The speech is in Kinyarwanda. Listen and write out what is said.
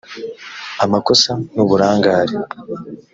amakosa n uburangare